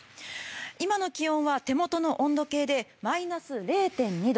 今の気温は手元の温度計でマイナス０．２度。